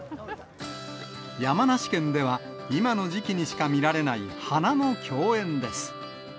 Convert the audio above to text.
山梨県では、今の時期にしか見られない花の競演です。